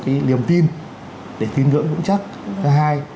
cái niềm tin để tin ngưỡng vững chắc thứ hai